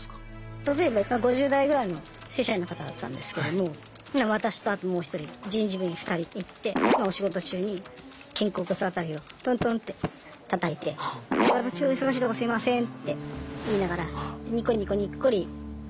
例えば５０代ぐらいの正社員の方だったんですけども私とあともう一人人事部員ふたり行ってお仕事中に肩甲骨あたりをトントンッてたたいて「お仕事中お忙しいとこすいません」って言いながらニコニコにっこり話して別室へ。